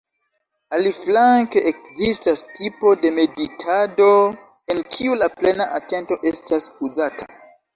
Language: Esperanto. Aliflanke ekzistas tipo de meditado en kiu la "plena atento estas uzata".